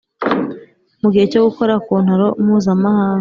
Mu gihe cyo gukora kontaro mpuzamahanga